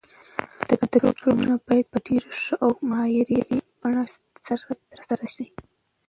ادبي پروګرامونه باید په ډېر ښه او معیاري بڼه سره ترسره شي.